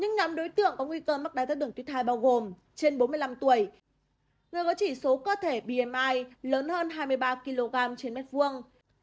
những nhóm đối tượng có nguy cơ mắc đáy thái đường tuyết hai bao gồm trên bốn mươi năm tuổi người có chỉ số cơ thể bmi lớn hơn hai mươi ba kg trên mét vuông